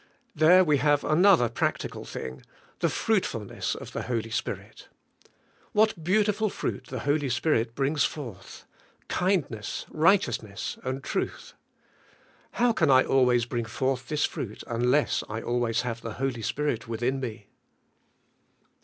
There we have another practical thing — the fruitfidness of the Holy Spirit. What beautiful fruit the Holy Spirit brings forth! — kindness, righteousness, and truth. How can I al wa3's bring forth this fruit unless I always have the Holy Spirit within me?